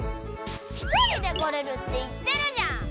１人で来れるって言ってるじゃん！